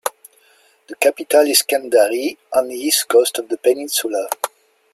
The capital is Kendari, on the east coast of the peninsula.